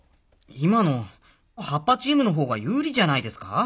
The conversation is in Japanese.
今の葉っぱチームのほうが有利じゃないですか？